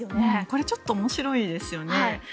これちょっと面白いですよね。